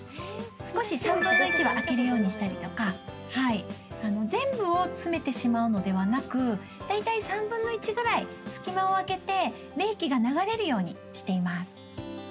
少し、３分の１は空けるようにしたりとか全部を詰めてしまうのではなく大体３分の１ぐらい隙間を空けて冷気が流れるようにしています。